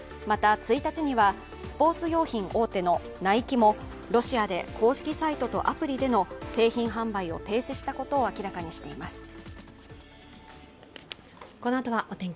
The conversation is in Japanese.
また、１日にはスポーツ用品大手のナイキもロシアで公式サイトとアプリでの製品販売を停止したことを明らかにしています。